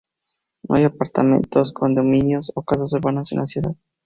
No hay apartamentos, condominios o casas urbanas en la ciudad.